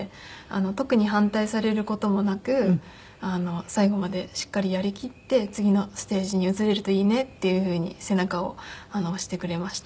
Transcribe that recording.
特に反対される事もなく最後までしっかりやりきって次のステージに移れるといいねっていうふうに背中を押してくれました。